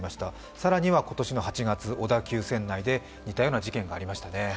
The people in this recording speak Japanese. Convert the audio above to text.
更には今年の８月、小田急線内で同じような事件がありましたね。